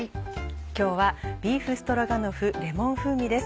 今日は「ビーフストロガノフレモン風味」です。